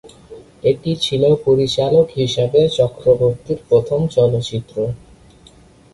এটি ছিল পরিচালক হিসাবে চক্রবর্তীর প্রথম চলচ্চিত্র।